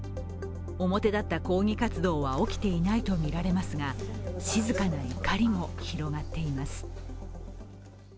表だった抗議活動は起きていないとみられますが静かな怒りも広がっています。